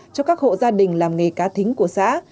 cho các hộ gia đình làm nghề cá thính của xã